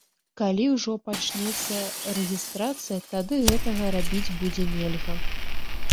Калі ўжо пачнецца рэгістрацыя, тады гэтага рабіць будзе нельга.